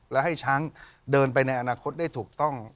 และให้ช้างเดินไปในอนาคตได้ถูกต้อง